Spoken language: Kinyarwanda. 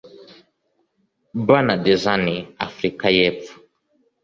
Barnard Zani (Afurika y’Epfo)